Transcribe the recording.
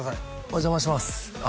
お邪魔します